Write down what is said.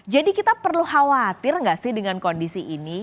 jadi kita perlu khawatir gak sih dengan kondisi ini